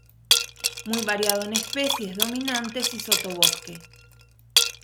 Muy variado en especies dominantes y sotobosque.